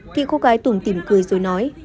khi cô gái tủng tìm cười rồi nói